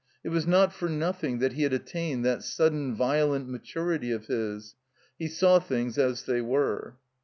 It was not for nothing that he had attained that sudden violent maturity of his. He saw things as they were.